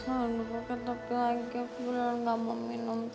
aduh bukan tapi lagi aku beneran gak mau minum